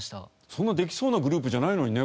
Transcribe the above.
そんなできそうなグループじゃないのにね